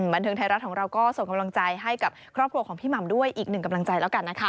บันเทิงไทยรัฐของเราก็ส่งกำลังใจให้กับครอบครัวของพี่หม่ำด้วยอีกหนึ่งกำลังใจแล้วกันนะคะ